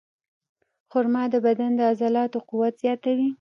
خرما د بدن د عضلاتو قوت زیاتوي.